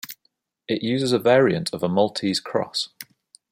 It uses a variant of a Maltese Cross.